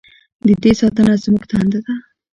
د دې ساتنه زموږ دنده ده؟